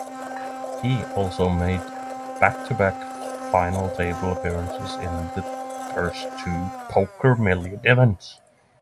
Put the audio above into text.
He also made back-to-back final table appearances in the first two Poker Million events.